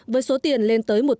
với số tiền lên tới một tỷ